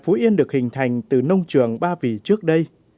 phú yên được hình thành từ nông trường ba vì trước đây